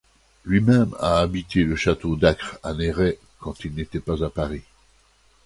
Lui-même a habité le château d'Acre, à Néret, quand il n'était pas à Paris.